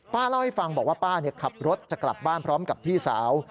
เล่าให้ฟังบอกว่าป้าขับรถจะกลับบ้านพร้อมกับพี่สาว